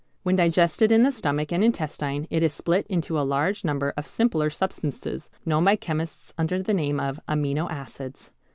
When digested in the stomach and intestine it is split into a large number of simpler substances known by chemists under the name of amino acids.